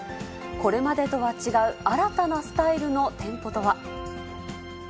これまでとは違う新たなスタイルの店舗とは。